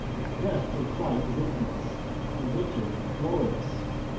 Death in flight is infamous; in victory glorious.